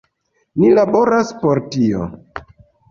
Ni laboras por tio.